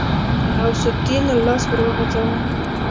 غوث الدين لاس ور وغځاوه.